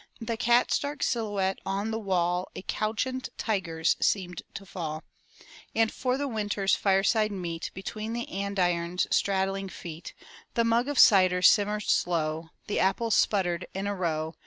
The cat's dark silhouette on the wall A couchant tiger's seemed to fall; And, for the winter fireside meet. Between the andirons' straddling feet. The mug of cider simmered slow. The apples sputtered in a row.